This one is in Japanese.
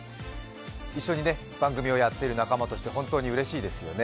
一緒に番組をやっている仲間として本当にうれしいですよね。